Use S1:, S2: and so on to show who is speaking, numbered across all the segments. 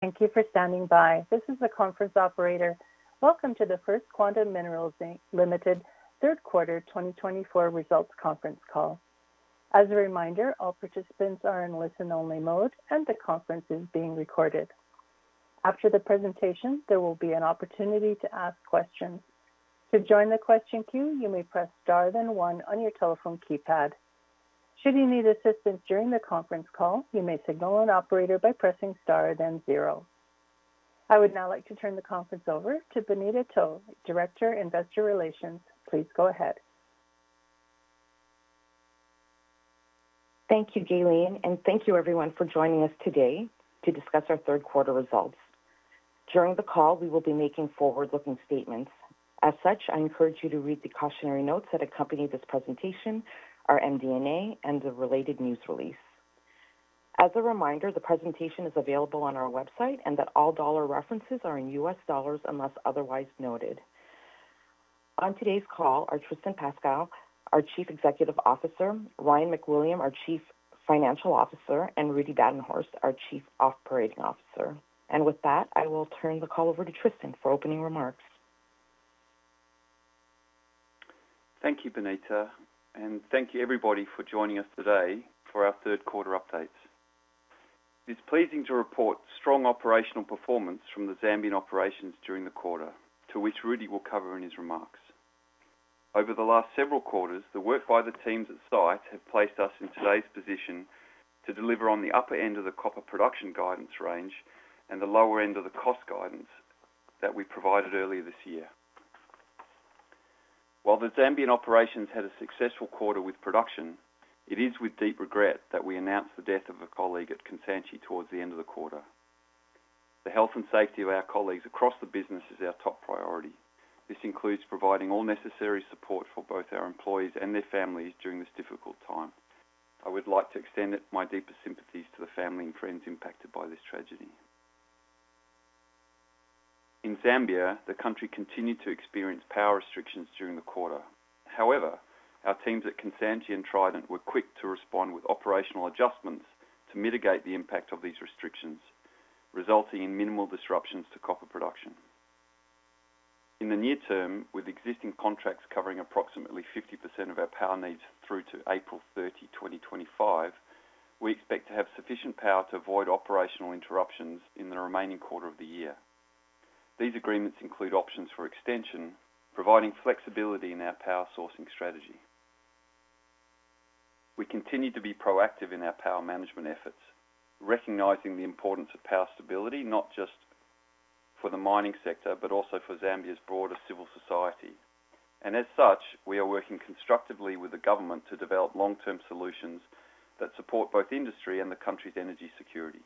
S1: Thank you for standing by. This is the conference operator. Welcome to the First Quantum Minerals Ltd. Third Quarter 2024 Results Conference Call. As a reminder, all participants are in listen-only mode, and the conference is being recorded. After the presentation, there will be an opportunity to ask questions. To join the question queue, you may press star then one on your telephone keypad. Should you need assistance during the conference call, you may signal an operator by pressing star then zero. I would now like to turn the conference over to Bonita To, Director, Investor Relations. Please go ahead.
S2: Thank you, Gailine, and thank you everyone for joining us today to discuss our third quarter results. During the call, we will be making forward-looking statements. As such, I encourage you to read the cautionary notes that accompany this presentation, our MD&A, and the related news release. As a reminder, the presentation is available on our website and that all dollar references are in US dollars unless otherwise noted. On today's call are Tristan Pascall, our Chief Executive Officer, Ryan McWilliam, our Chief Financial Officer, and Rudi Badenhorst, our Chief Operating Officer. And with that, I will turn the call over to Tristan for opening remarks.
S3: Thank you, Bonita, and thank you everybody for joining us today for our third quarter update. It's pleasing to report strong operational performance from the Zambian operations during the quarter, to which Rudi will cover in his remarks. Over the last several quarters, the work by the teams at site have placed us in today's position to deliver on the upper end of the copper production guidance range and the lower end of the cost guidance that we provided earlier this year. While the Zambian operations had a successful quarter with production, it is with deep regret that we announce the death of a colleague at Kansanshi towards the end of the quarter. The health and safety of our colleagues across the business is our top priority. This includes providing all necessary support for both our employees and their families during this difficult time. I would like to extend my deepest sympathies to the family and friends impacted by this tragedy. In Zambia, the country continued to experience power restrictions during the quarter. However, our teams at Kansanshi and Trident were quick to respond with operational adjustments to mitigate the impact of these restrictions, resulting in minimal disruptions to copper production. In the near term, with existing contracts covering approximately 50% of our power needs through to April 30, 2025, we expect to have sufficient power to avoid operational interruptions in the remaining quarter of the year. These agreements include options for extension, providing flexibility in our power sourcing strategy. We continue to be proactive in our power management efforts, recognizing the importance of power stability, not just for the mining sector, but also for Zambia's broader civil society. As such, we are working constructively with the government to develop long-term solutions that support both industry and the country's energy security.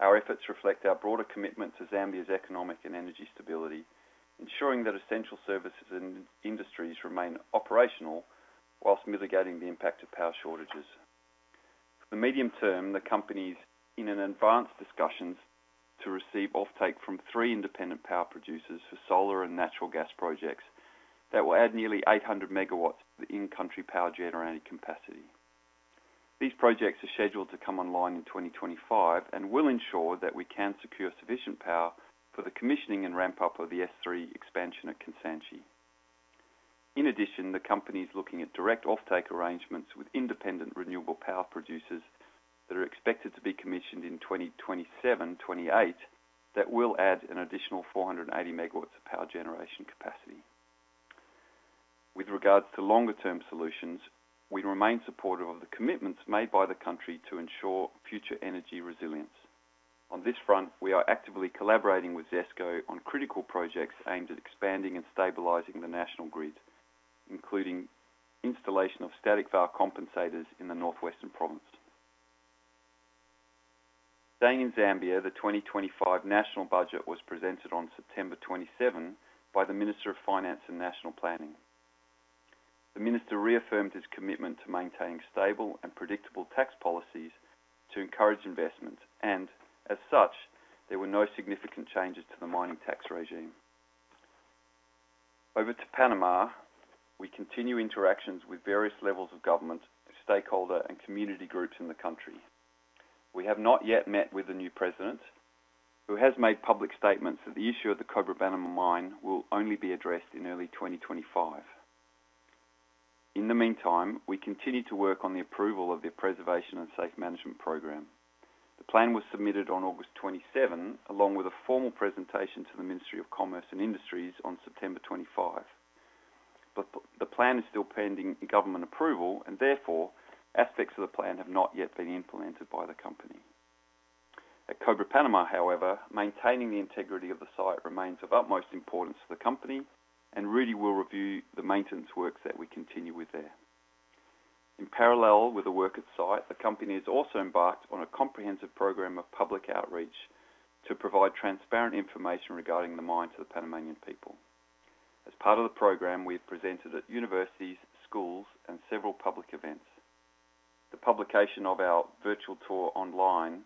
S3: Our efforts reflect our broader commitment to Zambia's economic and energy stability, ensuring that essential services and industries remain operational while mitigating the impact of power shortages. In the medium term, the company is in advanced discussions to receive offtake from three independent power producers for solar and natural gas projects that will add nearly 800 megawatts to the in-country power generating capacity. These projects are scheduled to come online in 2025 and will ensure that we can secure sufficient power for the commissioning and ramp-up of the S3 expansion at Kansanshi. In addition, the company is looking at direct offtake arrangements with independent renewable power producers that are expected to be commissioned in 2027, 2028, that will add an additional 480 megawatts of power generation capacity. With regards to longer-term solutions, we remain supportive of the commitments made by the country to ensure future energy resilience. On this front, we are actively collaborating with ZESCO on critical projects aimed at expanding and stabilizing the national grid, including installation of static var compensators in the North-Western Province. Staying in Zambia, the 2025 national budget was presented on September 27th, by the Minister of Finance and National Planning. The Minister reaffirmed his commitment to maintaining stable and predictable tax policies to encourage investment, and as such, there were no significant changes to the mining tax regime. Over to Panama, we continue interactions with various levels of government, stakeholder, and community groups in the country. We have not yet met with the new president, who has made public statements that the issue of the Cobre Panamá mine will only be addressed in early 2025. In the meantime, we continue to work on the approval of the Preservation and Safe Management program. The plan was submitted on August 27, along with a formal presentation to the Ministry of Commerce and Industries on September 25. But the plan is still pending government approval, and therefore, aspects of the plan have not yet been implemented by the company. At Cobre Panamá, however, maintaining the integrity of the site remains of utmost importance to the company, and Rudi will review the maintenance work that we continue with there. In parallel with the work at site, the company has also embarked on a comprehensive program of public outreach to provide transparent information regarding the mine to the Panamanian people. As part of the program, we've presented at universities, schools, and several public events. The publication of our virtual tour online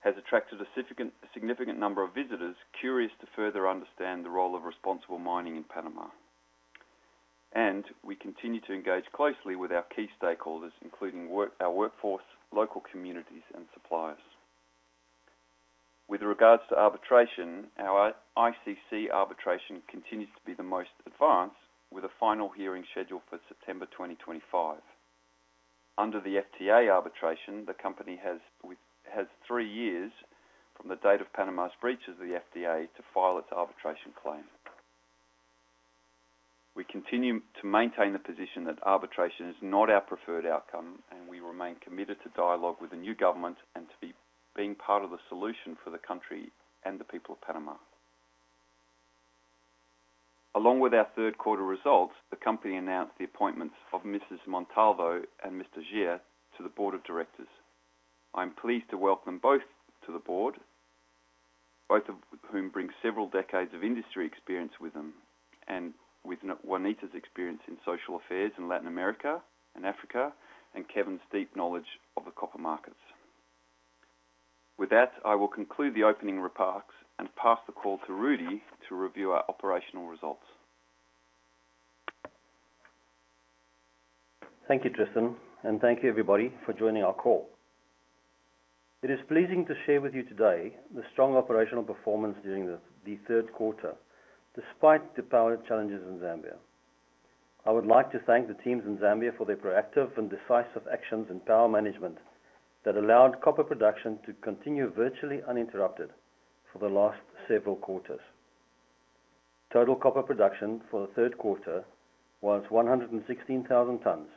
S3: has attracted a significant, significant number of visitors curious to further understand the role of responsible mining in Panama... and we continue to engage closely with our key stakeholders, including work, our workforce, local communities, and suppliers. With regards to arbitration, our ICC arbitration continues to be the most advanced, with a final hearing scheduled for September 2025. Under the FTA arbitration, the company has three years from the date of Panama's breach of the FTA to file its arbitration claim. We continue to maintain the position that arbitration is not our preferred outcome, and we remain committed to dialogue with the new government and to being part of the solution for the country and the people of Panama. Along with our third quarter results, the company announced the appointments of Mrs. Montalvo and Mr. Jia to the Board of Directors. I'm pleased to welcome both to the board, both of whom bring several decades of industry experience with them, and with Juanita's experience in social affairs in Latin America and Africa, and Kevin's deep knowledge of the copper markets. With that, I will conclude the opening remarks and pass the call to Rudi to review our operational results.
S4: Thank you, Tristan, and thank you everybody for joining our call. It is pleasing to share with you today the strong operational performance during the third quarter, despite the power challenges in Zambia. I would like to thank the teams in Zambia for their proactive and decisive actions in power management that allowed copper production to continue virtually uninterrupted for the last several quarters. Total copper production for the third quarter was 116 thousand tons,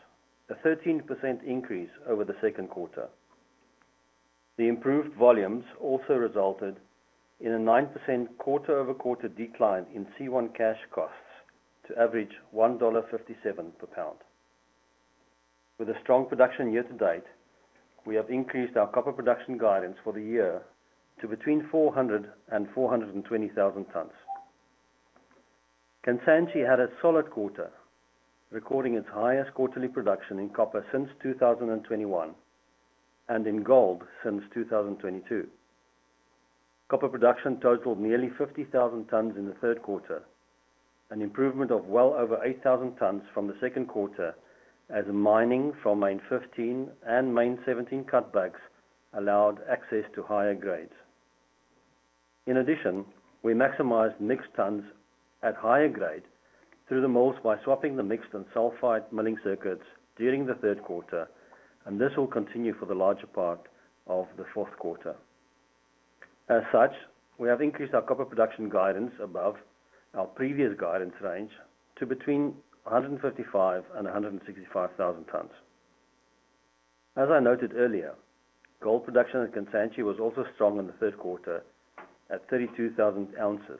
S4: a 13% increase over the second quarter. The improved volumes also resulted in a 9% quarter-over-quarter decline in C1 cash costs to average $1.57 per pound. With a strong production year-to-date, we have increased our copper production guidance for the year to between 400 and 420 thousand tons. Kansanshi had a solid quarter, recording its highest quarterly production in copper since 2021 and in gold since 2022. Copper production totaled nearly 50,000 tons in the third quarter, an improvement of well over 8,000 tons from the second quarter, as mining from Main 15 and Main 17 cutbacks allowed access to higher grades. In addition, we maximized mixed tonnes at higher grade through the mills by swapping the mixed and sulfide milling circuits during the third quarter, and this will continue for the larger part of the fourth quarter. As such, we have increased our copper production guidance above our previous guidance range to between 155 and 165 thousand tons. As I noted earlier, gold production at Kansanshi was also strong in the third quarter at 32,000 ounces.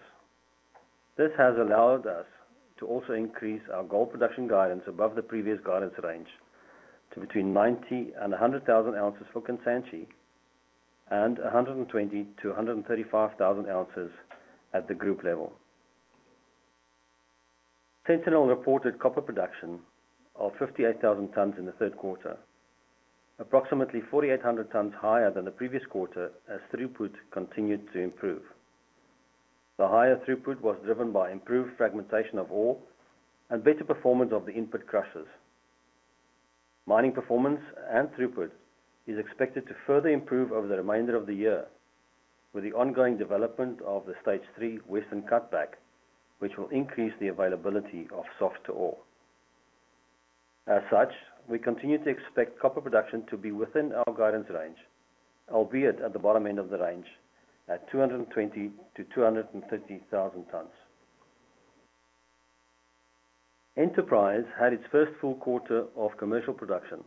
S4: This has allowed us to also increase our gold production guidance above the previous guidance range to between 90 and 100 thousand ounces for Kansanshi, and 120 to 135 thousand ounces at the group level. Sentinel reported copper production of 58,000 tons in the third quarter, approximately 4,800 tons higher than the previous quarter as throughput continued to improve. The higher throughput was driven by improved fragmentation of ore and better performance of the in-pit crushers. Mining performance and throughput is expected to further improve over the remainder of the year with the ongoing development of the Stage 3 western cutback, which will increase the availability of soft ore. As such, we continue to expect copper production to be within our guidance range, albeit at the bottom end of the range at 220,000 to 230,000 tons. Enterprise had its first full quarter of commercial production,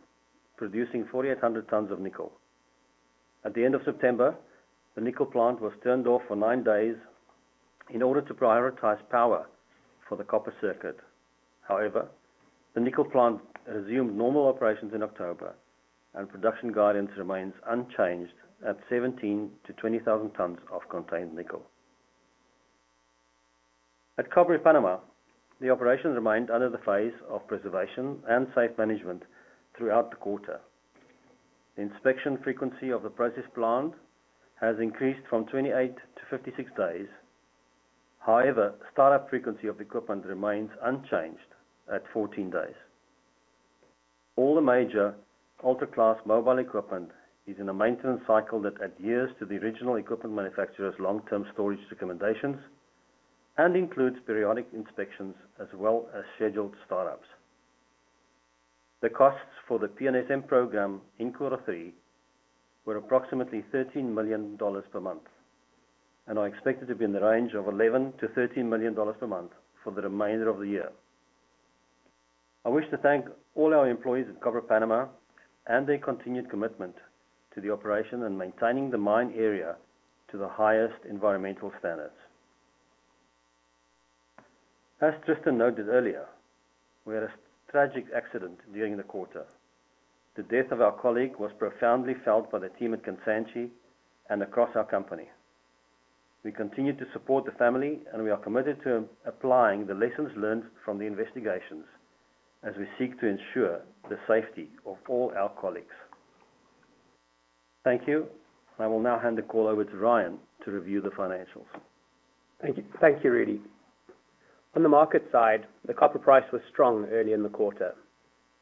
S4: producing 4,800 tons of nickel. At the end of September, the nickel plant was turned off for nine days in order to prioritize power for the copper circuit. However, the nickel plant resumed normal operations in October, and production guidance remains unchanged at 17,000 to 20,000 tons of contained nickel. At Cobre Panamá, the operation remained under the phase of Preservation and Safe Management throughout the quarter. Inspection frequency of the process plant has increased from 28 to 56 days. However, startup frequency of equipment remains unchanged at 14 days. All the major ultra-class mobile equipment is in a maintenance cycle that adheres to the original equipment manufacturer's long-term storage recommendations and includes periodic inspections as well as scheduled startups. The costs for the PNSM program in quarter three were approximately $13 million per month and are expected to be in the range of $11 to $13 million per month for the remainder of the year. I wish to thank all our employees at Cobre Panamá and their continued commitment to the operation and maintaining the mine area to the highest environmental standards. As Tristan noted earlier, we had a tragic accident during the quarter. The death of our colleague was profoundly felt by the team at Kansanshi and across our company. We continue to support the family, and we are committed to applying the lessons learned from the investigations as we seek to ensure the safety of all our colleagues. Thank you. I will now hand the call over to Ryan to review the financials.
S5: Thank you, thank you, Rudi. On the market side, the copper price was strong early in the quarter,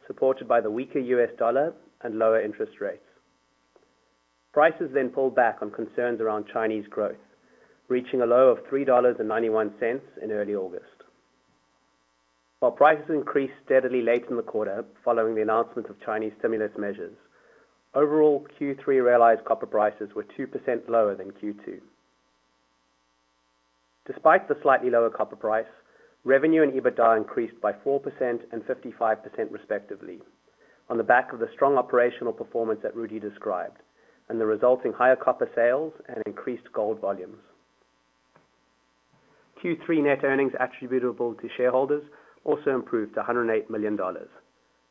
S5: supported by the weaker U.S. dollar and lower interest rates. Prices then pulled back on concerns around Chinese growth, reaching a low of $3.91 in early August. While prices increased steadily late in the quarter, following the announcement of Chinese stimulus measures, overall Q3 realized copper prices were 2% lower than Q2. Despite the slightly lower copper price, revenue and EBITDA increased by 4% and 55%, respectively, on the back of the strong operational performance that Rudi described and the resulting higher copper sales and increased gold volumes. Q3 net earnings attributable to shareholders also improved to $108 million,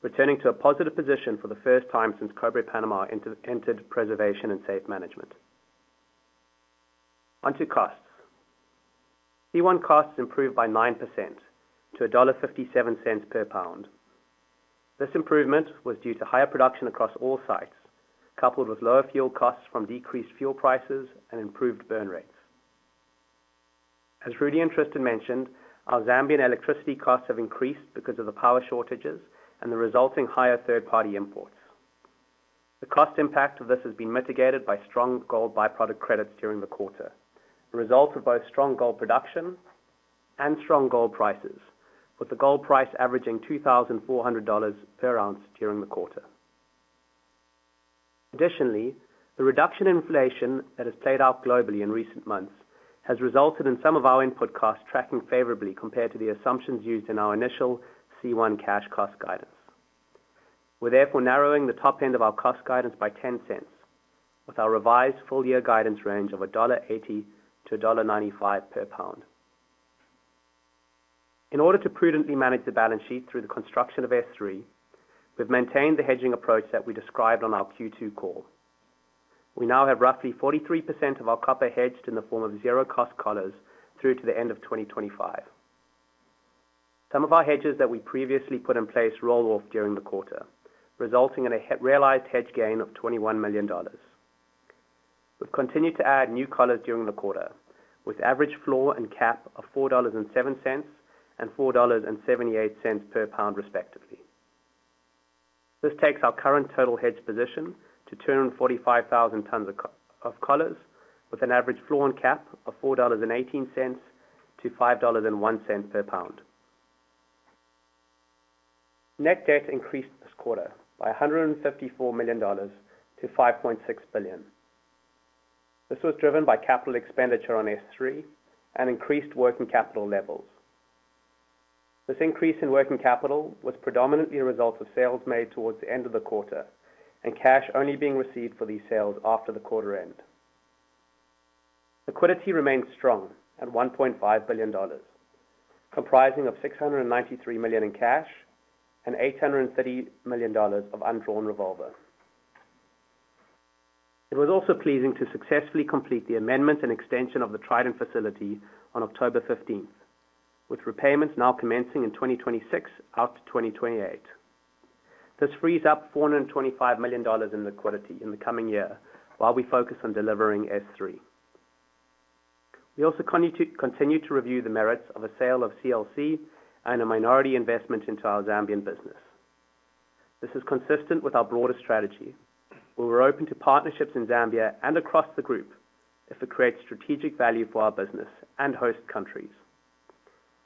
S5: returning to a positive position for the first time since Cobre Panamá entered Preservation and Safe Management. On to costs. C1 costs improved by 9% to $1.57 per pound. This improvement was due to higher production across all sites, coupled with lower fuel costs from decreased fuel prices and improved burn rates. As Rudi and Tristan mentioned, our Zambian electricity costs have increased because of the power shortages and the resulting higher third-party imports. The cost impact of this has been mitigated by strong gold byproduct credits during the quarter. The result of both strong gold production and strong gold prices, with the gold price averaging $2,400 per ounce during the quarter. Additionally, the reduction in inflation that has played out globally in recent months has resulted in some of our input costs tracking favorably compared to the assumptions used in our initial C1 cash cost guidance. We're therefore narrowing the top end of our cost guidance by $0.10, with our revised full-year guidance range of $1.80 to $1.95 per pound. In order to prudently manage the balance sheet through the construction of S3, we've maintained the hedging approach that we described on our Q2 call. We now have roughly 43% of our copper hedged in the form of zero-cost collars through to the end of 2025. Some of our hedges that we previously put in place roll off during the quarter, resulting in a realized hedge gain of $21 million. We've continued to add new collars during the quarter, with average floor and cap of $4.07 and $4.78 per pound, respectively. This takes our current total hedge position to 245,000 tons of copper collars, with an average floor and cap of $4.18 to $5.01 per pound. Net debt increased this quarter by $154 million to $5.6 billion. This was driven by capital expenditure on S3 and increased working capital levels. This increase in working capital was predominantly a result of sales made towards the end of the quarter, and cash only being received for these sales after the quarter end. Liquidity remains strong at $1.5 billion, comprising of $693 million in cash and $830 million of undrawn revolver. It was also pleasing to successfully complete the amendment and extension of the Trident facility on October fifteenth, with repayments now commencing in 2026 out to 2028. This frees up $425 million in liquidity in the coming year while we focus on delivering S3. We also continue to review the merits of a sale of CLC and a minority investment into our Zambian business. This is consistent with our broader strategy, where we're open to partnerships in Zambia and across the group if it creates strategic value for our business and host countries.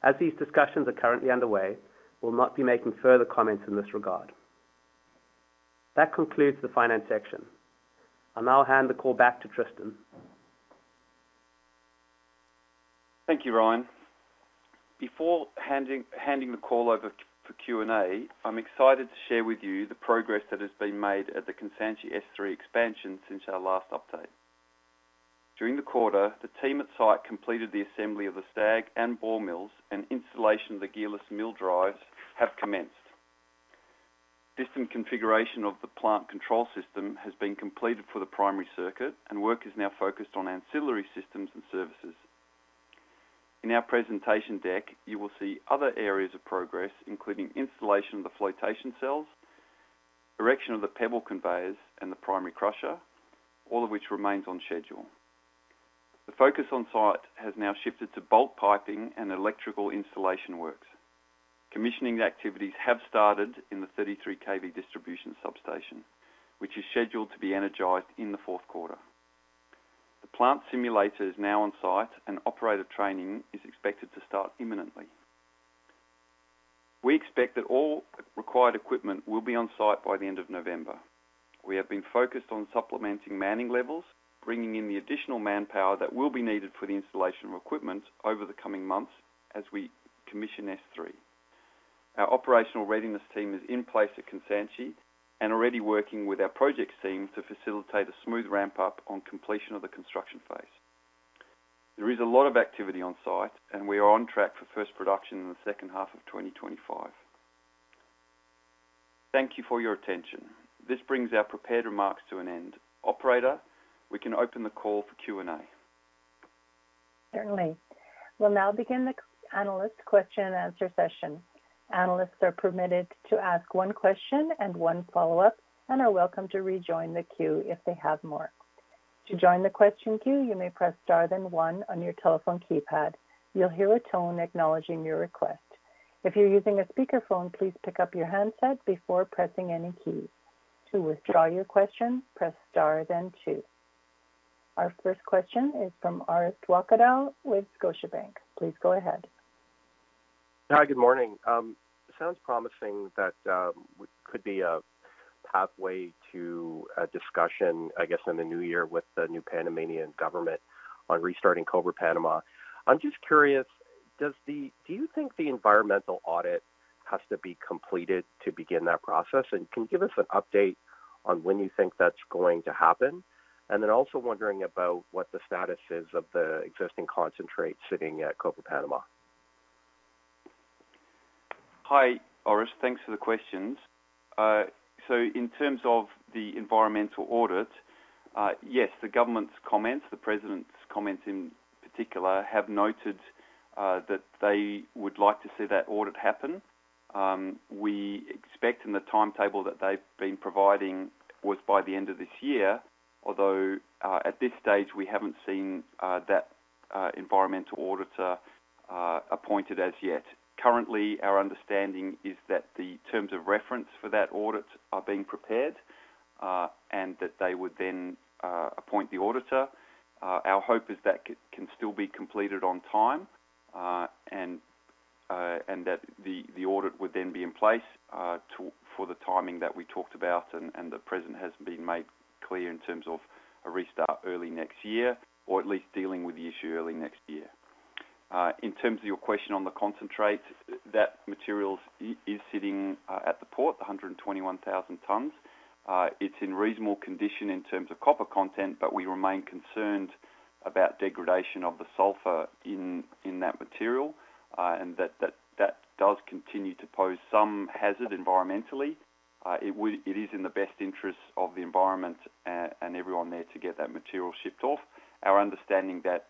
S5: As these discussions are currently underway, we'll not be making further comments in this regard. That concludes the finance section. I'll now hand the call back to Tristan.
S3: Thank you, Ryan. Before handing the call over for Q&A, I'm excited to share with you the progress that has been made at the Kansanshi S3 expansion since our last update. During the quarter, the team at site completed the assembly of the SAG and ball mills, and installation of the gearless mill drives have commenced. DCS configuration of the plant control system has been completed for the primary circuit, and work is now focused on ancillary systems and services. In our presentation deck, you will see other areas of progress, including installation of the flotation cells, erection of the pebble conveyors, and the primary crusher, all of which remains on schedule. The focus on site has now shifted to bulk piping and electrical installation works. Commissioning activities have started in the 33 kV distribution substation, which is scheduled to be energized in the fourth quarter. The plant simulator is now on site and operator training is expected to start imminently. We expect that all required equipment will be on site by the end of November. We have been focused on supplementing manning levels, bringing in the additional manpower that will be needed for the installation of equipment over the coming months as we commission S3. Our operational readiness team is in place at Kansanshi and already working with our projects team to facilitate a smooth ramp-up on completion of the construction phase. There is a lot of activity on site, and we are on track for first production in the second half of 2025. Thank you for your attention. This brings our prepared remarks to an end. Operator, we can open the call for Q&A.
S1: ...Certainly. We'll now begin the Q&A analyst Q&A session. Analysts are permitted to ask one question and one follow-up, and are welcome to rejoin the queue if they have more. To join the question queue, you may press star then one on your telephone keypad. You'll hear a tone acknowledging your request. If you're using a speakerphone, please pick up your handset before pressing any keys. To withdraw your question, press star then two. Our first question is from Orest Wowkodaw with Scotiabank. Please go ahead.
S6: Hi, good morning. It sounds promising that we could be a pathway to a discussion, I guess, in the new year with the new Panamanian government on restarting Cobre Panamá. I'm just curious, do you think the environmental audit has to be completed to begin that process? And can you give us an update on when you think that's going to happen? And then also wondering about what the status is of the existing concentrate sitting at Cobre Panamá?
S3: Hi, Orest. Thanks for the questions. So in terms of the environmental audit, yes, the government's comments, the president's comments in particular, have noted that they would like to see that audit happen. We expect in the timetable that they've been providing was by the end of this year, although at this stage, we haven't seen that environmental auditor appointed as yet. Currently, our understanding is that the terms of reference for that audit are being prepared and that they would then appoint the auditor. Our hope is that can still be completed on time, and that the audit would then be in place for the timing that we talked about, and the president has made clear in terms of a restart early next year, or at least dealing with the issue early next year. In terms of your question on the concentrate, that material is sitting at the port, 121 thousand tons. It's in reasonable condition in terms of copper content, but we remain concerned about degradation of the sulfur in that material, and that does continue to pose some hazard environmentally. It is in the best interest of the environment and everyone there to get that material shipped off. Our understanding that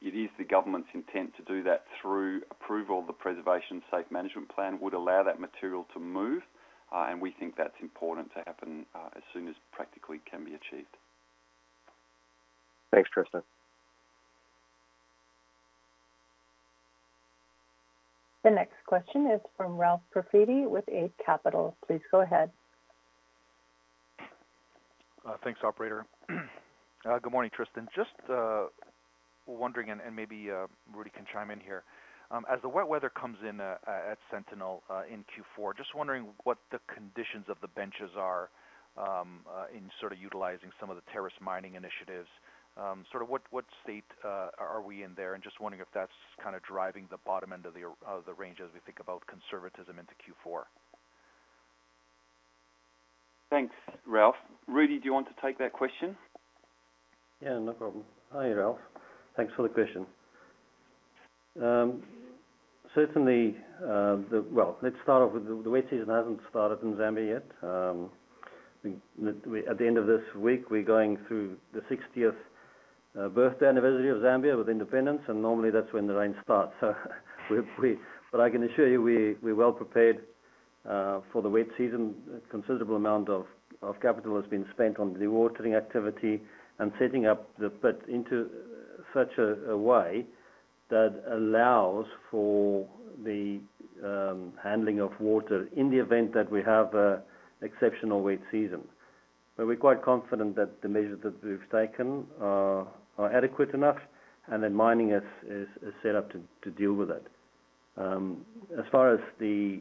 S3: it is the government's intent to do that through approval of the Preservation and Safe Management plan would allow that material to move, and we think that's important to happen as soon as practically can be achieved.
S6: Thanks, Tristan.
S1: The next question is from Ralph Profiti with Eight Capital. Please go ahead.
S7: Thanks, operator. Good morning, Tristan. Just wondering, and maybe Rudi can chime in here. As the wet weather comes in at Sentinel in Q4, just wondering what the conditions of the benches are in sort of utilizing some of the terrace mining initiatives. Sort of what state are we in there? And just wondering if that's kind of driving the bottom end of the range as we think about conservatism into Q4.
S3: Thanks, Ralph. Rudi, do you want to take that question?
S4: Yeah, no problem. Hi, Ralph. Thanks for the question. Certainly, well, let's start off with the wet season hasn't started in Zambia yet. At the end of this week, we're going through the 60th birthday anniversary of Zambia with independence, and normally that's when the rain starts. But I can assure you, we're well prepared for the wet season. A considerable amount of capital has been spent on dewatering activity and setting up the pit into such a way that allows for the handling of water in the event that we have an exceptional wet season, but we're quite confident that the measures that we've taken are adequate enough, and then mining is set up to deal with it. As far as the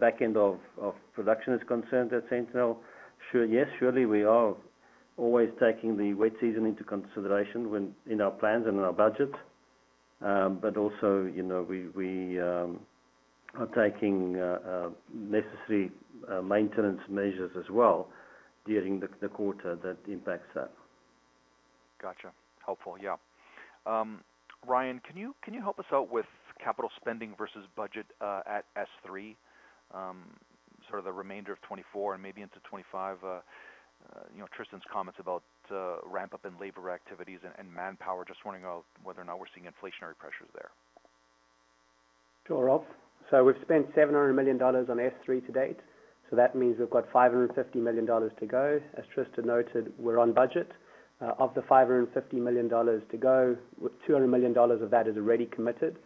S4: back end of production is concerned at Sentinel, sure, yes, surely we are always taking the wet season into consideration when in our plans and in our budget. But also, you know, we are taking necessary maintenance measures as well during the quarter that impacts that.
S7: Gotcha. Helpful, yeah. Ryan, can you help us out with capital spending versus budget at S3? Sort of the remainder of 2024 and maybe into 2025, you know, Tristan's comments about ramp-up in labor activities and manpower. Just wondering about whether or not we're seeing inflationary pressures there.
S5: Sure, Ralph. So we've spent $700 million on S3 to date, so that means we've got $550 million to go. As Tristan noted, we're on budget. Of the $550 million to go, $200 million of that is already committed.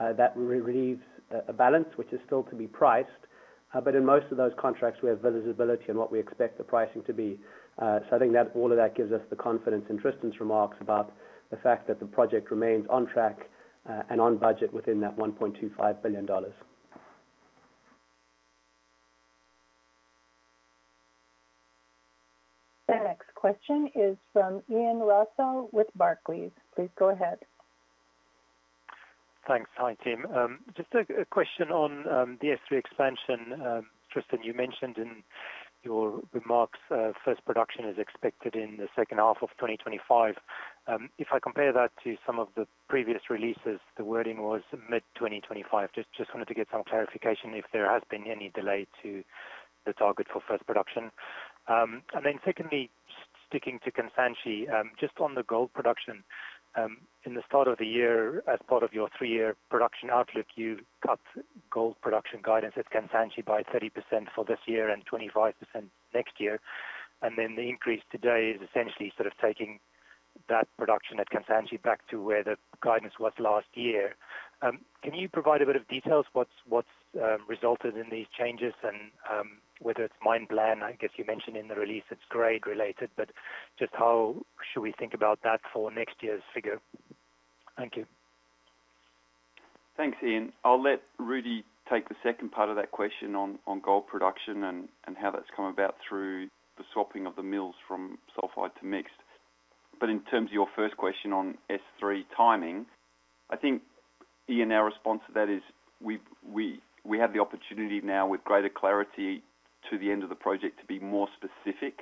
S5: That relieves a balance, which is still to be priced. But in most of those contracts, we have visibility on what we expect the pricing to be. So I think that all of that gives us the confidence in Tristan's remarks about the fact that the project remains on track and on budget within that $1.25 billion.
S1: The next question is from Ian Rossouw with Barclays. Please go ahead.
S8: Thanks. Hi, team. Just a question on the S3 expansion. Tristan, you mentioned in your remarks, first production is expected in the second half of 2025. If I compare that to some of the previous releases, the wording was mid 2025. Just wanted to get some clarification if there has been any delay to-... the target for first production. And then secondly, sticking to Kansanshi, just on the gold production. In the start of the year, as part of your three-year production outlook, you cut gold production guidance at Kansanshi by 30% for this year and 25% next year. And then the increase today is essentially sort of taking that production at Kansanshi back to where the guidance was last year. Can you provide a bit of details, what's resulted in these changes and, whether it's mine plan? I guess you mentioned in the release it's grade related, but just how should we think about that for next year's figure? Thank you.
S3: Thanks, Ian. I'll let Rudi take the second part of that question on gold production and how that's come about through the swapping of the mills from sulfide to mixed. But in terms of your first question on S3 timing, I think, Ian, our response to that is we have the opportunity now with greater clarity to the end of the project to be more specific.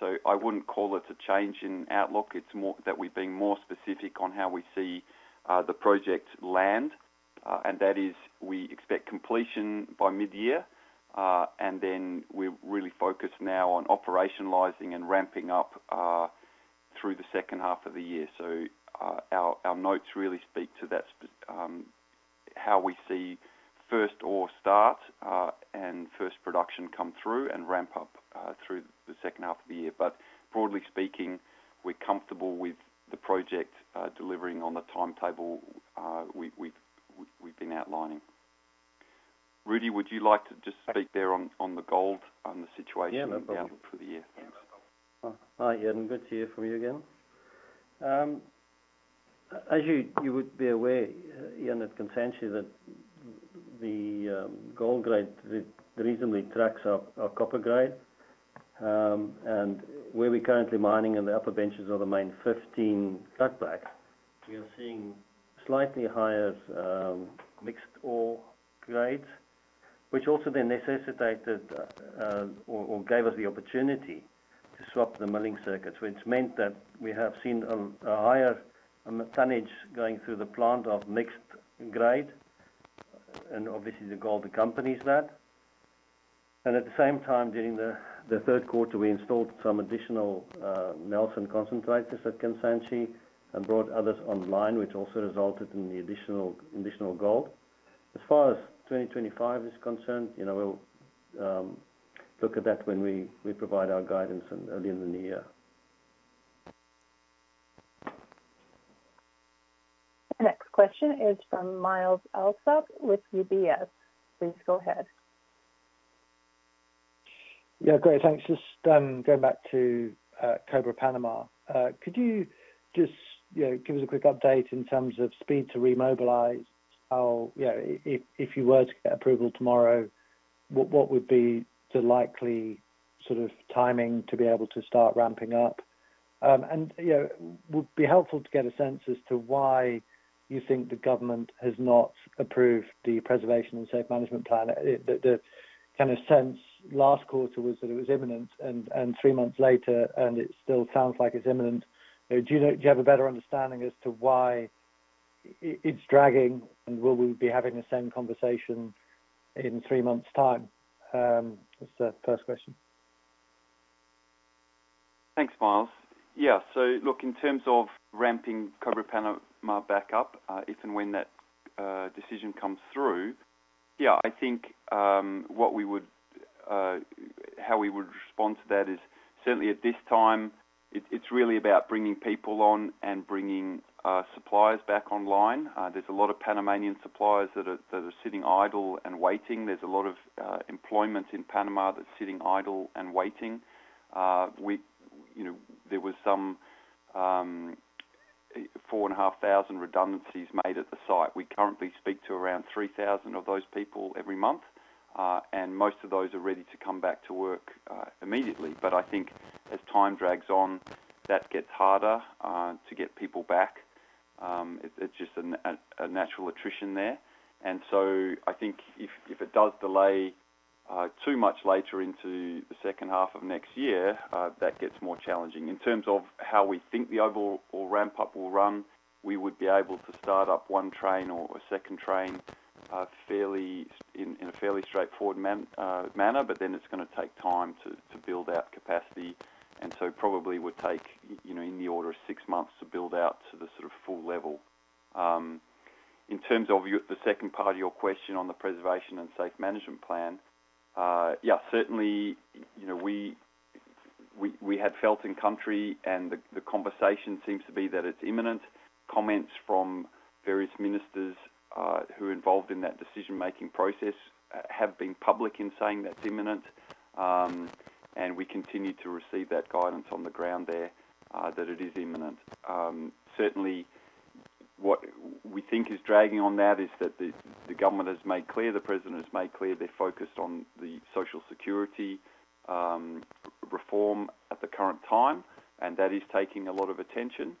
S3: So I wouldn't call it a change in outlook, it's more that we're being more specific on how we see the project land. And that is, we expect completion by mid-year, and then we're really focused now on operationalizing and ramping up through the second half of the year. So, our notes really speak to that, how we see first ore start and first production come through and ramp up through the second half of the year. But broadly speaking, we're comfortable with the project delivering on the timetable we've been outlining. Rudi, would you like to just speak there on the gold and the situation.
S4: Yeah, no problem.
S3: for the year? Thanks.
S4: Hi, Ian, good to hear from you again. As you would be aware, Ian, at Kansanshi, that the gold grade reasonably tracks our copper grade. And where we're currently mining in the upper benches of the main 15 cutback, we are seeing slightly higher mixed ore grades, which also then necessitated or gave us the opportunity to swap the milling circuits. Which meant that we have seen a higher tonnage going through the plant of mixed grade, and obviously, the gold accompanies that. And at the same time, during the third quarter, we installed some additional Knelson concentrators at Kansanshi and brought others online, which also resulted in the additional gold. As far as 2025 is concerned, you know, we'll look at that when we provide our guidance earlier in the year.
S1: The next question is from Myles Allsop with UBS. Please go ahead.
S9: Yeah, great. Thanks. Just, going back to, Cobre Panamá. Could you just, you know, give us a quick update in terms of speed to remobilize? How, you know, if, if you were to get approval tomorrow, what, what would be the likely sort of timing to be able to start ramping up? And, you know, would be helpful to get a sense as to why you think the government has not approved the Preservation and Safe Management plan. The, the kind of sense last quarter was that it was imminent, and, and three months later, and it still sounds like it's imminent. Do you know, do you have a better understanding as to why it's dragging, and will we be having the same conversation in three months' time? That's the first question.
S3: Thanks, Myles. Yeah, so look, in terms of ramping Cobre Panamá back up, if and when that decision comes through, yeah, I think what we would, how we would respond to that is, certainly at this time, it's really about bringing people on and bringing suppliers back online. There's a lot of Panamanian suppliers that are sitting idle and waiting. There's a lot of employment in Panama that's sitting idle and waiting. You know, there was some 4,500 redundancies made at the site. We currently speak to around 3,000 of those people every month, and most of those are ready to come back to work immediately. But I think as time drags on, that gets harder to get people back. It's just a natural attrition there, and so I think if it does delay too much later into the second half of next year, that gets more challenging. In terms of how we think the overall ramp-up will run, we would be able to start up one train or a second train fairly in a fairly straightforward manner, but then it's gonna take time to build out capacity, and so probably would take, you know, in the order of six months to build out to the sort of full level. In terms of the second part of your question on the Preservation and Safe Management plan, yeah, certainly, you know, we had felt in country, and the conversation seems to be that it's imminent. Comments from various ministers, who are involved in that decision-making process, have been public in saying that's imminent. And we continue to receive that guidance on the ground there, that it is imminent. Certainly, what we think is dragging on that is that the government has made clear, the president has made clear they're focused on the social security reform at the current time, and that is taking a lot of attention.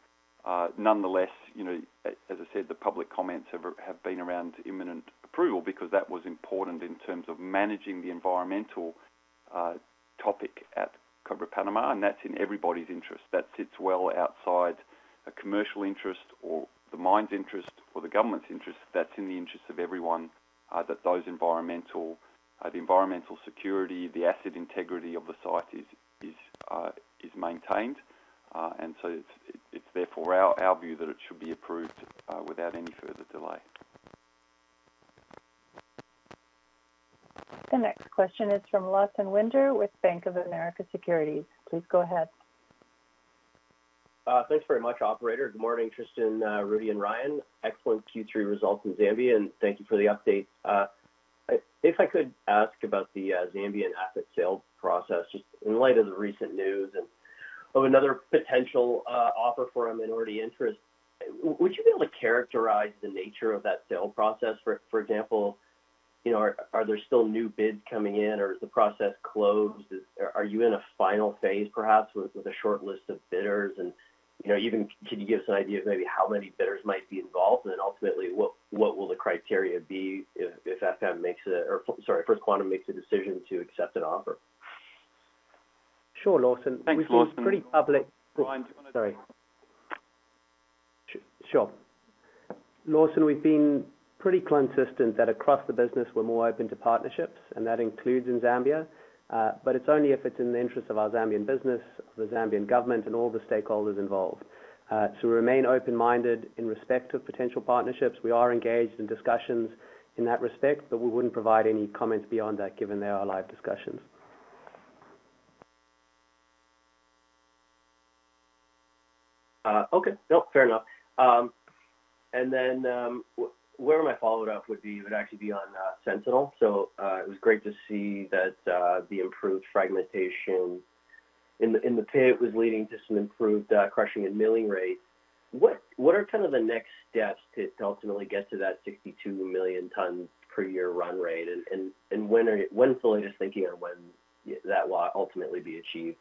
S3: Nonetheless, you know, as I said, the public comments have been around imminent approval because that was important in terms of managing the environmental topic at Cobre Panamá, and that's in everybody's interest. That sits well outside a commercial interest or the mine's interest or the government's interest. That's in the interest of everyone, that those environmental security, the asset integrity of the site is maintained ...and so it's therefore our view that it should be approved without any further delay.
S1: The next question is from Lawson Winder with Bank of America Securities. Please go ahead.
S10: Thanks very much, operator. Good morning, Tristan, Rudi, and Ryan. Excellent Q3 results in Zambia, and thank you for the update. If I could ask about the Zambian asset sales process, just in light of the recent news and of another potential offer for a minority interest. Would you be able to characterize the nature of that sale process, for example, you know, are there still new bids coming in, or is the process closed? Are you in a final phase, perhaps, with a short list of bidders? And you know, even could you give us an idea of maybe how many bidders might be involved? And then ultimately, what will the criteria be if FM makes a decision to accept an offer? Or sorry, First Quantum makes a decision to accept an offer.
S3: Sure, Lawson.
S10: Thanks, Lawson.
S3: We've been pretty public.
S10: Ryan, do you want to-
S3: Sorry. Sure. Lawson, we've been pretty consistent that across the business, we're more open to partnerships, and that includes in Zambia. But it's only if it's in the interest of our Zambian business, the Zambian government, and all the stakeholders involved. So we remain open-minded in respect of potential partnerships. We are engaged in discussions in that respect, but we wouldn't provide any comments beyond that, given they are live discussions.
S10: Okay. No, fair enough. And then, where my follow-up would be, would actually be on Sentinel. So, it was great to see that the improved fragmentation in the pit was leading to some improved crushing and milling rates. What are kind of the next steps to ultimately get to that 62 million tons per year run rate? And when are you thinking on when that will ultimately be achieved?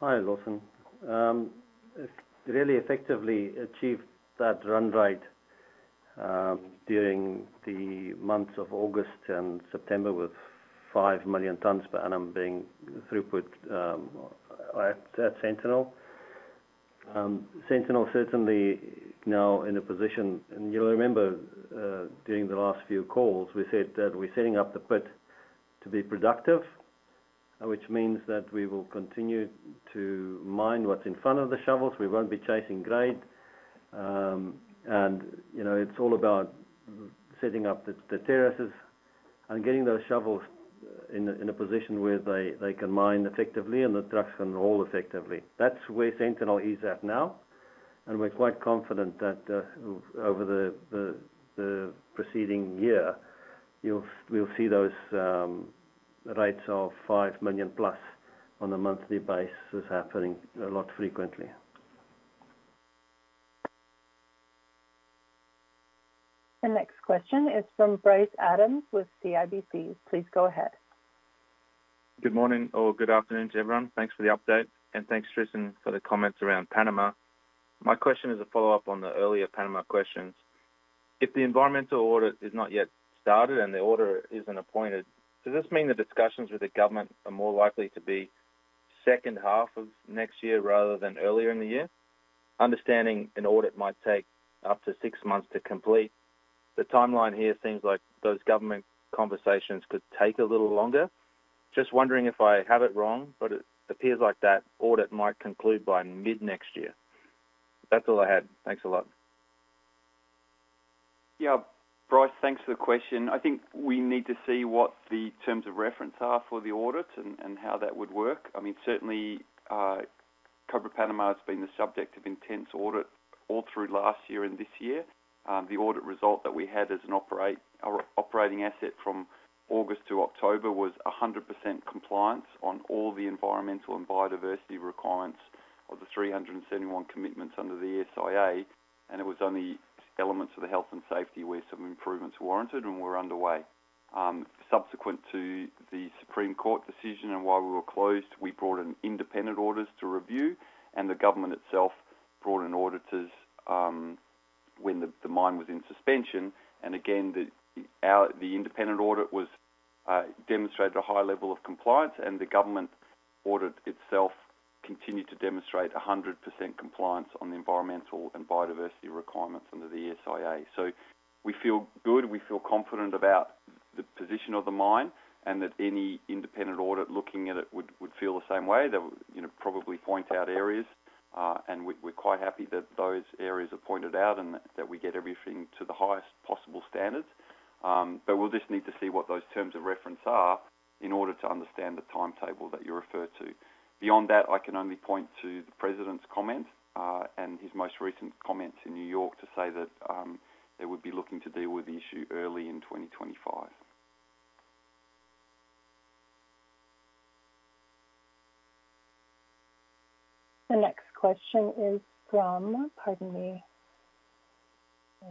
S4: Hi, Lawson. It really effectively achieved that run rate during the months of August and September, with five million tons per annum being throughput at Sentinel. Sentinel certainly now in a position, and you'll remember during the last few calls, we said that we're setting up the pit to be productive, which means that we will continue to mine what's in front of the shovels. We won't be chasing grade. And, you know, it's all about setting up the terraces and getting those shovels in a position where they can mine effectively, and the trucks can haul effectively. That's where Sentinel is at now, and we're quite confident that over the preceding year, we'll see those rates of five million plus on a monthly basis happening a lot frequently.
S1: The next question is from Bryce Adams with CIBC. Please go ahead.
S11: Good morning or good afternoon to everyone. Thanks for the update, and thanks, Tristan, for the comments around Panama. My question is a follow-up on the earlier Panama questions. If the environmental audit is not yet started and the auditor isn't appointed, does this mean the discussions with the government are more likely to be second half of next year rather than earlier in the year? Understanding an audit might take up to six months to complete. The timeline here seems like those government conversations could take a little longer. Just wondering if I have it wrong, but it appears like that audit might conclude by mid-next year. That's all I had. Thanks a lot.
S3: Yeah, Bryce, thanks for the question. I think we need to see what the terms of reference are for the audit and how that would work. I mean, certainly, Cobre Panamá has been the subject of intense audit all through last year and this year. The audit result that we had as our operating asset from August to October was 100% compliance on all the environmental and biodiversity requirements of the 371 commitments under the SIA, and it was only elements of the health and safety where some improvements were warranted and were underway. Subsequent to the Supreme Court decision and while we were closed, we brought in independent auditors to review, and the government itself brought in auditors when the mine was in suspension. And again, the independent audit was demonstrated a high level of compliance, and the government audit itself continued to demonstrate 100% compliance on the environmental and biodiversity requirements under the SIA. So we feel good, we feel confident about the position of the mine and that any independent audit looking at it would feel the same way. They would, you know, probably point out areas, and we, we're quite happy that those areas are pointed out and that we get everything to the highest possible standards. But we'll just need to see what those terms of reference are in order to understand the timetable that you referred to. Beyond that, I can only point to the president's comment, and his most recent comment in New York to say that they would be looking to deal with the issue early in 2025.
S1: The next question is from... Pardon me. I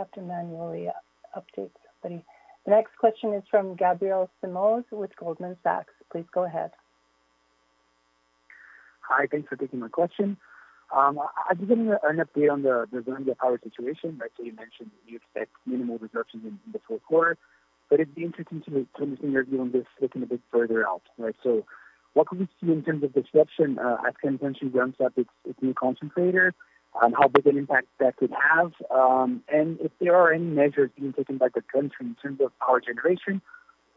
S1: have to manually update somebody. The next question is from Gabriel Simões with Goldman Sachs. Please go ahead.
S12: Hi, thanks for taking my question. I was getting an update on the Zambia power situation. Like, you mentioned, you expect minimal disruptions in the fourth quarter, but it'd be interesting to listen your view on this, looking a bit further out, right? So what could we see in terms of disruption at potential S3, it's new concentrator? How big an impact that could have, and if there are any measures being taken by the country in terms of power generation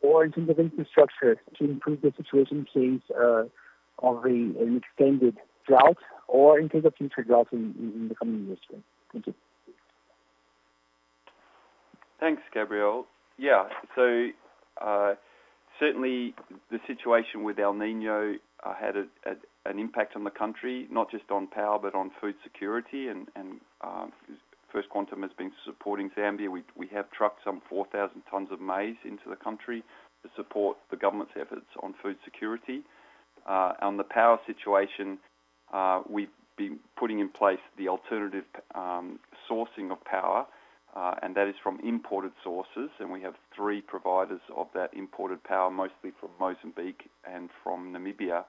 S12: or in terms of infrastructure to improve the situation in case of an extended drought or in case of future droughts in the coming years? Thank you.
S3: Thanks, Gabriel. Yeah, so certainly the situation with El Niño had an impact on the country, not just on power, but on food security. And First Quantum has been supporting Zambia. We have trucked some 4,000 tons of maize into the country to support the government's efforts on food security. On the power situation, we've been putting in place the alternative sourcing of power, and that is from imported sources. And we have three providers of that imported power, mostly from Mozambique and from Namibia,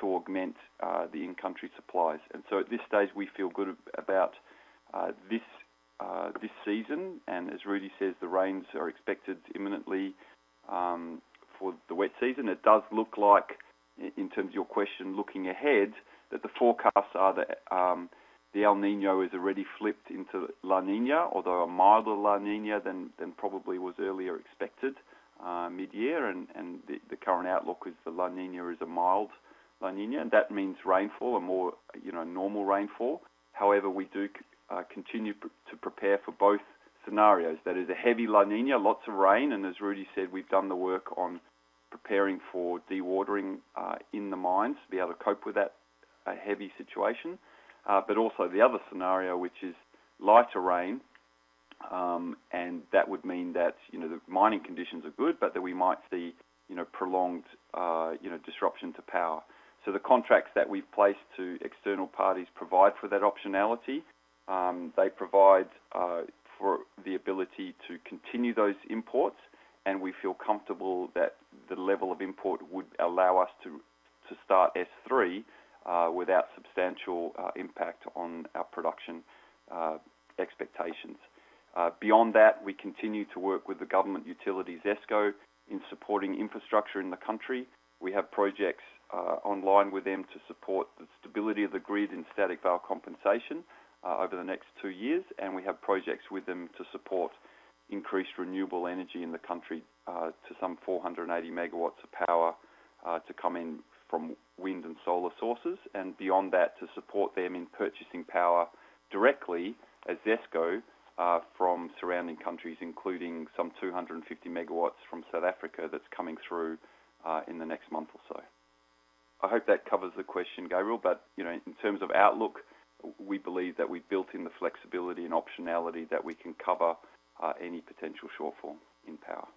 S3: to augment the in-country supplies. And so at this stage, we feel good about this season. And as Rudy says, the rains are expected imminently for the wet season. It does look like, in terms of your question, looking ahead, that the forecasts are that the El Niño is already flipped into La Niña, although a milder La Niña than probably was earlier expected mid-year, and the current outlook is the La Niña is a mild La Niña, and that means rainfall and more, you know, normal rainfall. However, we do continue to prepare for both scenarios. That is a heavy La Niña, lots of rain, and as Rudi said, we've done the work on preparing for dewatering in the mines to be able to cope with that heavy situation. But also the other scenario, which is lighter rain, and that would mean that, you know, the mining conditions are good, but that we might see, you know, prolonged, you know, disruption to power. So the contracts that we've placed to external parties provide for that optionality. They provide for the ability to continue those imports, and we feel comfortable that the level of import would allow us to start S3 without substantial impact on our production expectations. Beyond that, we continue to work with the government utilities, ZESCO, in supporting infrastructure in the country. We have projects online with them to support the stability of the grid and static var compensation over the next two years. And we have projects with them to support increased renewable energy in the country to some 480 megawatts of power to come in from wind and solar sources. Beyond that, to support them in purchasing power directly as ZESCO from surrounding countries, including some 250 megawatts from South Africa that's coming through in the next month or so. I hope that covers the question, Gabriel, but you know, in terms of outlook, we believe that we've built in the flexibility and optionality that we can cover any potential shortfall in power.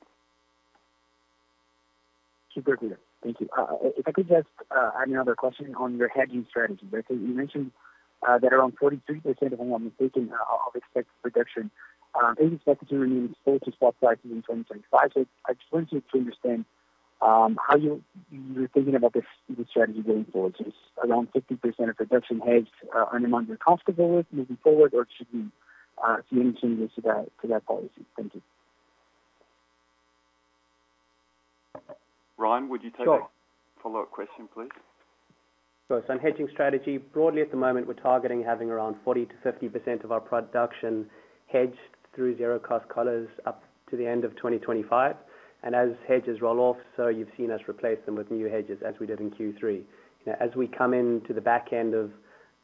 S12: Super clear. Thank you. If I could just add another question on your hedging strategy, but you mentioned that around 43%, if I'm not mistaken, of expected production is expected to remain exposed to spot pricing in 2025, so I just wanted to understand how you're thinking about this strategy going forward. Is around 50% of production hedged an amount you're comfortable with moving forward, or should we see any changes to that policy? Thank you.
S3: Ryan, would you take that-
S5: Sure.
S3: Follow-up question, please?
S5: So on hedging strategy, broadly at the moment, we're targeting having around 40% to 50% of our production hedged through zero cost collars up to the end of 2025. And as hedges roll off, so you've seen us replace them with new hedges as we did in Q3. You know, as we come into the back end of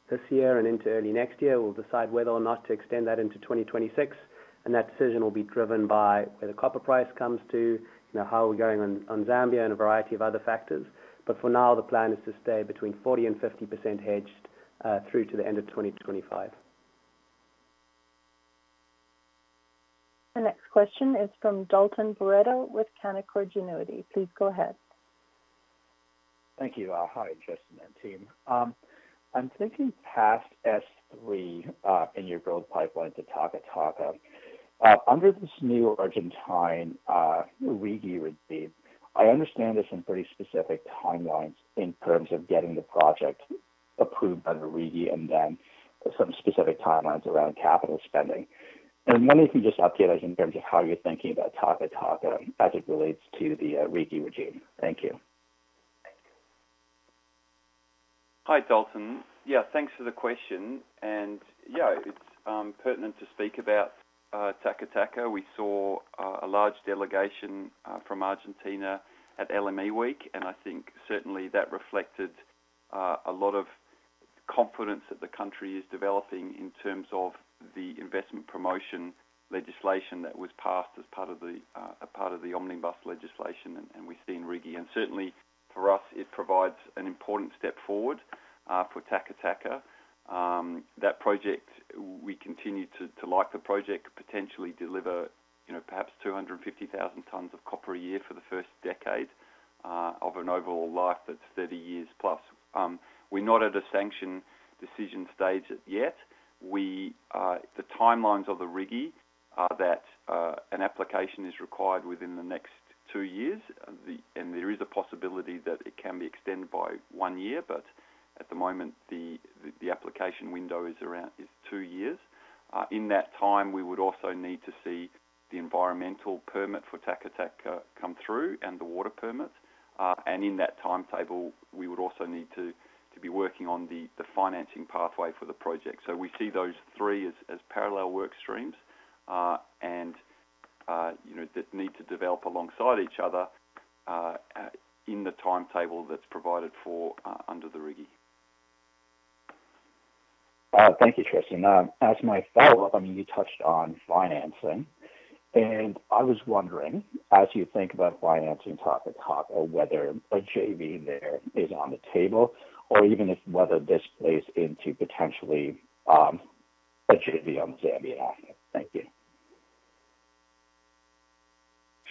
S5: this year and into early next year, we'll decide whether or not to extend that into 2026, and that decision will be driven by where the copper price comes to, you know, how we're going on Zambia, and a variety of other factors. But for now, the plan is to stay between 40% and 50% hedged through to the end of 2025.
S1: The next question is from Dalton Baretto with Canaccord Genuity. Please go ahead.
S13: Thank you. Hi, Justin and team. I'm thinking past S3 in your growth pipeline to Taca Taca. Under this new Argentine RIGI regime, I understand there's some pretty specific timelines in terms of getting the project approved under RIGI and then some specific timelines around capital spending. And maybe you can just update us in terms of how you're thinking about Taca Taca as it relates to the RIGI regime. Thank you.
S3: Hi, Dalton. Yeah, thanks for the question, and yeah, it's pertinent to speak about Taca Taca. We saw a large delegation from Argentina at LME Week, and I think certainly that reflected a lot of confidence that the country is developing in terms of the investment promotion legislation that was passed as part of the omnibus legislation, and we've seen RIGI, and certainly, for us, it provides an important step forward for Taca Taca. That project, we continue to like the project, could potentially deliver, you know, perhaps 250,000 tons of copper a year for the first decade of an overall life that's 30 years plus. We're not at a sanction decision stage as yet. We, the timelines of the RIGI are that an application is required within the next two years. And there is a possibility that it can be extended by one year, but at the moment, the application window is around two years. In that time, we would also need to see the environmental permit for Taca Taca come through and the water permits. And in that timetable, we would also need to be working on the financing pathway for the project. So we see those three as parallel work streams, and, you know, that need to develop alongside each other, in the timetable that's provided for under the RIGI.
S13: Thank you, Tristan. As my follow-up, I mean, you touched on financing, and I was wondering, as you think about financing Taca Taca, whether a JV there is on the table or even whether this plays into potentially, a JV on Zambia asset? Thank you.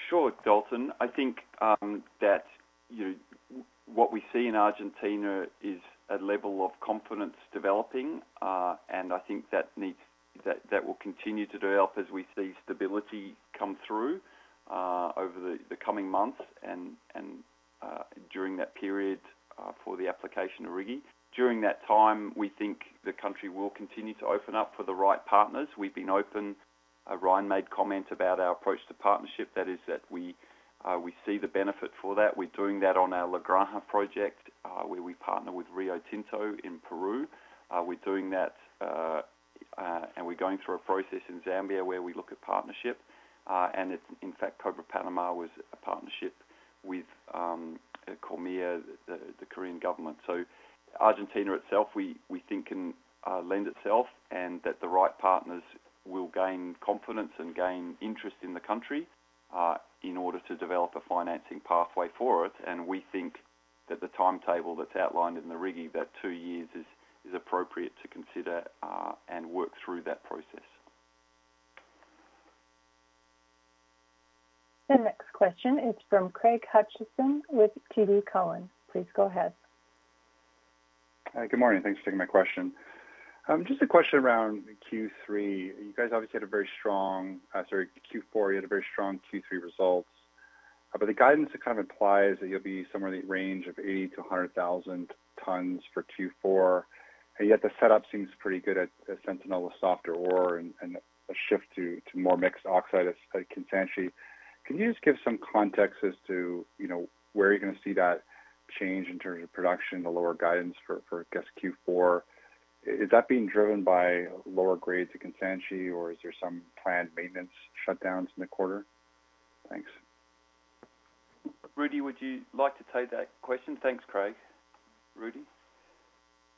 S3: Sure, Dalton. I think what we see in Argentina is a level of confidence developing, and I think that will continue to develop as we see stability come through over the coming months and during that period for the application of RIGI. During that time, we think the country will continue to open up for the right partners. We've been open. Ryan made comment about our approach to partnership, that is that we see the benefit for that. We're doing that on our La Granja project, where we partner with Rio Tinto in Peru. We're doing that, and we're going through a process in Zambia where we look at partnership, and it's in fact, Cobre Panamá was a partnership with Korea, the Korean government. Argentina itself, we think, can lend itself and that the right partners will gain confidence and gain interest in the country in order to develop a financing pathway for it. We think that the timetable that's outlined in the RIGI, that two years is appropriate to consider and work through that process.
S1: The next question is from Craig Hutchison with TD Cowen. Please go ahead.
S14: Hi, good morning. Thanks for taking my question. Just a question around Q3. You guys obviously had a very strong, sorry, Q4, you had a very strong Q3 results, but the guidance kind of implies that you'll be somewhere in the range of 80 to 100 thousand tons for Q4, and yet the setup seems pretty good at Sentinel with softer ore and a shift to more mixed oxide at Kansanshi. Can you just give some context as to, you know, where you're gonna see that change in terms of production, the lower guidance for, I guess, Q4? Is that being driven by lower grades at Kansanshi, or is there some planned maintenance shutdowns in the quarter? Thanks.
S3: Rudi, would you like to take that question? Thanks, Craig. Rudi?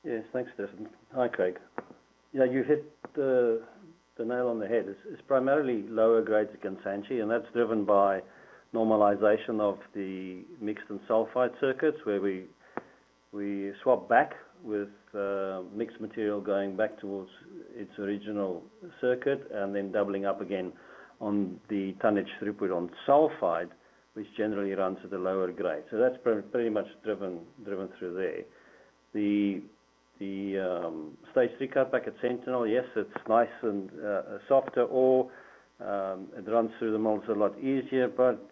S4: Yes, thanks, Tristan. Hi, Craig. Yeah, you hit the nail on the head. It's primarily lower grades at Kansanshi, and that's driven by normalization of the mixed and sulfide circuits, where we swap back with mixed material going back towards its original circuit and then doubling up again on the tonnage throughput on sulfide, which generally runs at a lower grade. So that's pretty much driven through there. The Stage 3 cutback at Sentinel, yes, it's nice and softer ore. It runs through the mills a lot easier, but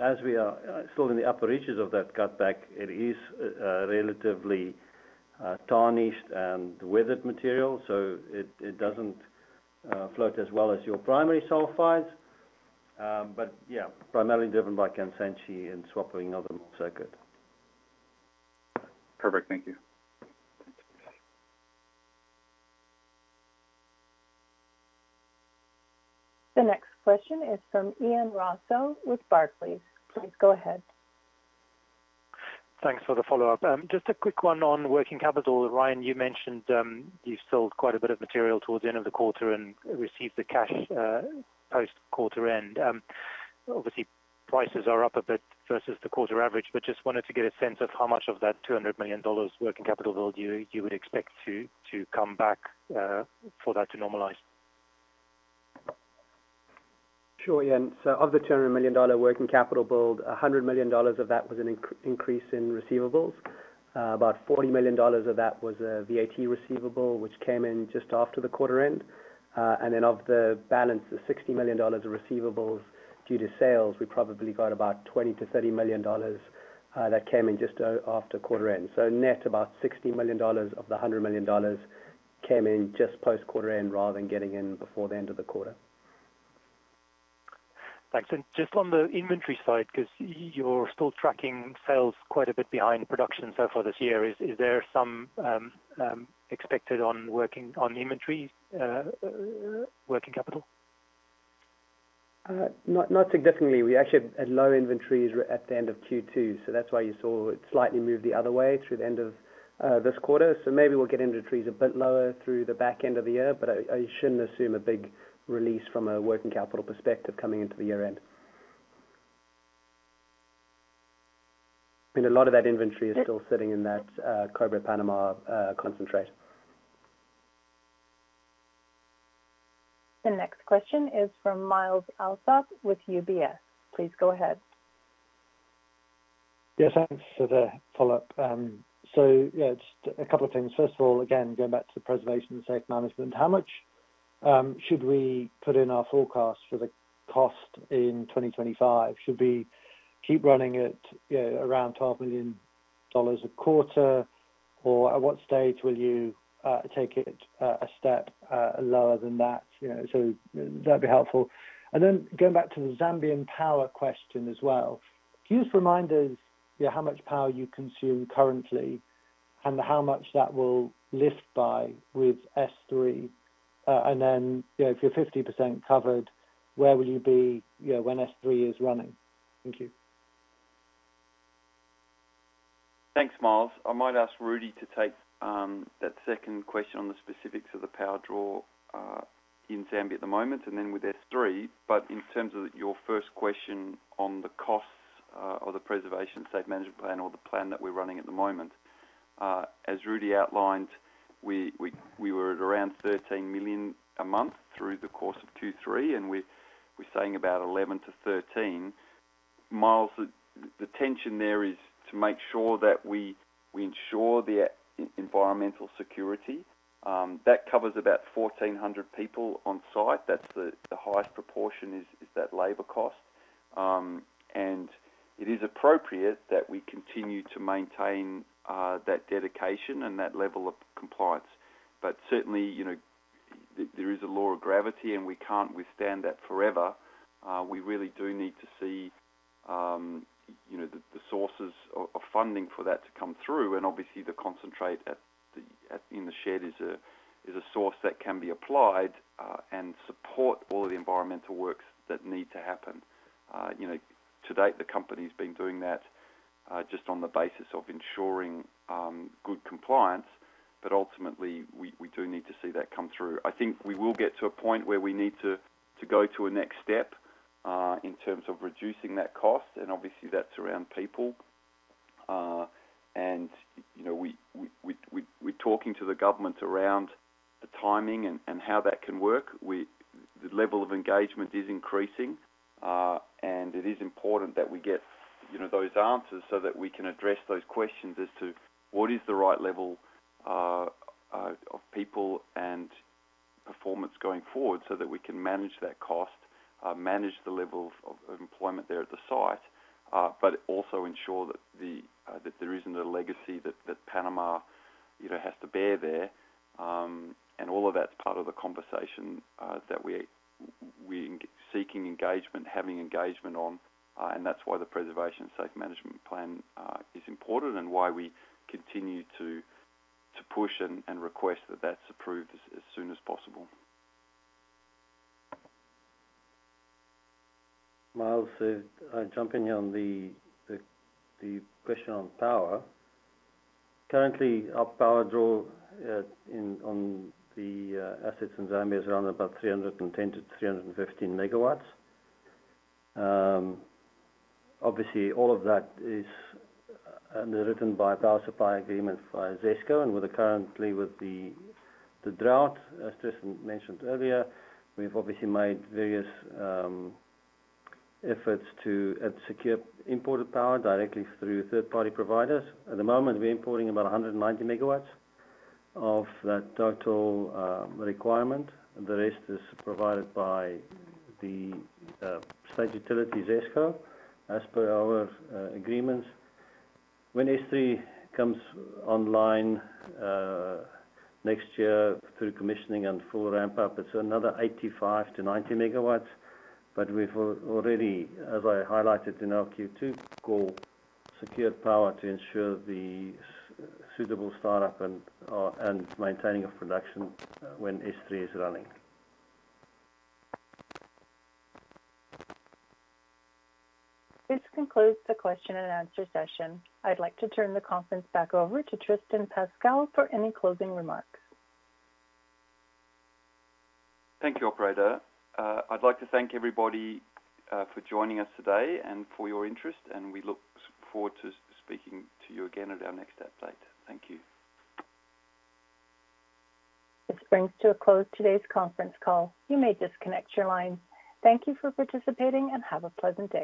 S4: as we are still in the upper reaches of that cutback, it is relatively tarnished and weathered material, so it doesn't float as well as your primary sulfides. But yeah, primarily driven by Kansanshi and swapping of the mill circuit.
S14: Perfect. Thank you.
S1: The next question is from Ian Rossouw with Barclays. Please, go ahead.
S8: Thanks for the follow-up. Just a quick one on working capital. Ryan, you mentioned you sold quite a bit of material towards the end of the quarter and received the cash post-quarter end. Obviously, prices are up a bit versus the quarter average, but just wanted to get a sense of how much of that $200 million working capital build you would expect to come back for that to normalize.
S5: Sure, Ian. So of the $200 million working capital build, $100 million of that was an increase in receivables. About $40 million of that was a VAT receivable, which came in just after the quarter end. And then of the balance, the $60 million of receivables due to sales, we probably got about $20 to $30 million that came in just after quarter end. So net, about $60 million of the $100 million came in just post-quarter end, rather than getting in before the end of the quarter.
S8: Thanks. And just on the inventory side, 'cause you're still tracking sales quite a bit behind production so far this year, is there some expected on working on inventory, working capital?
S5: Not significantly. We actually had low inventories at the end of Q2, so that's why you saw it slightly move the other way through the end of this quarter. So maybe we'll get inventories a bit lower through the back end of the year, but I shouldn't assume a big release from a working capital perspective coming into the year-end. A lot of that inventory is still sitting in that Cobre Panamá concentrate.
S1: The next question is from Myles Allsop with UBS. Please go ahead.
S9: Yes, thanks for the follow-up. So yeah, just a couple of things. First of all, again, going back to the Preservation and Safe Management, how much should we put in our forecast for the cost in 2025? Should we keep running it, yeah, around $12 million?... dollars a quarter, or at what stage will you take it a step lower than that? You know, so that'd be helpful. And then going back to the Zambian power question as well, can you just remind us, yeah, how much power you consume currently and how much that will lift by with S3? And then, you know, if you're 50% covered, where will you be, you know, when S3 is running? Thank you.
S3: Thanks, Myles. I might ask Rudi to take that second question on the specifics of the power draw in Zambia at the moment, and then with S3. But in terms of your first question on the costs, or the Preservation and Safe Management plan or the plan that we're running at the moment, as Rudi outlined, we were at around $13 million a month through the course of 2023, and we're saying about $11 million to $13 million. Myles, the tension there is to make sure that we ensure the environmental security. That covers about 1,400 people on site. That's the highest proportion is that labor cost. And it is appropriate that we continue to maintain that dedication and that level of compliance. But certainly, you know, there is a law of gravity, and we can't withstand that forever. We really do need to see, you know, the sources of funding for that to come through, and obviously, the concentrate at the-- in the shed is a source that can be applied, and support all of the environmental works that need to happen. You know, to date, the company's been doing that, just on the basis of ensuring good compliance, but ultimately, we do need to see that come through. I think we will get to a point where we need to go to a next step, in terms of reducing that cost, and obviously, that's around people. You know, we're talking to the government around the timing and how that can work. The level of engagement is increasing, and it is important that we get, you know, those answers so that we can address those questions as to what is the right level of people and performance going forward so that we can manage that cost, manage the level of employment there at the site, but also ensure that there isn't a legacy that Panama, you know, has to bear there. and all of that's part of the conversation that we seeking engagement, having engagement on, and that's why the Preservation and Safe Management plan is important and why we continue to push and request that that's approved as soon as possible.
S4: Myles, I'll jump in here on the question on power. Currently, our power draw on the assets in Zambia is around about three hundred and ten to 315 megawatts. Obviously, all of that is underwritten by a power supply agreement by ZESCO, and we're currently with the drought, as Tristan mentioned earlier. We've obviously made various efforts to secure imported power directly through third-party providers. At the moment, we're importing about a 190 megawatts of that total requirement, and the rest is provided by the state utility, ZESCO, as per our agreements. When S3 comes online next year through commissioning and full ramp-up, it's another 85 to 90 megawatts, but we've already, as I highlighted in our Q2 call, secured power to ensure the suitable start-up and maintaining of production when S3 is running.
S1: This concludes the Q&A session. I'd like to turn the conference back over to Tristan Pascall for any closing remarks.
S3: Thank you, operator. I'd like to thank everybody for joining us today and for your interest, and we look forward to speaking to you again at our next update. Thank you.
S1: This brings to a close today's conference call. You may disconnect your line. Thank you for participating, and have a pleasant day.